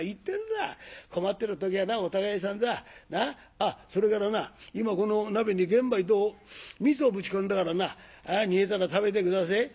あっそれからな今この鍋に玄米とみそぶち込んだからな煮えたら食べて下せえ。